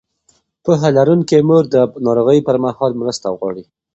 پوهه لرونکې مور د ناروغۍ پر مهال مرسته غواړي.